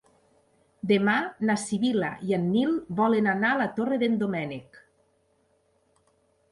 Demà na Sibil·la i en Nil volen anar a la Torre d'en Doménec.